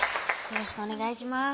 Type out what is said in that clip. よろしくお願いします